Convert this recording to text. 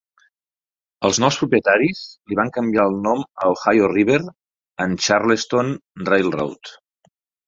Els nous propietaris li van canviar el nom a Ohio River and Charleston Railroad.